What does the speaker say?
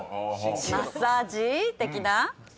マッサージ的な。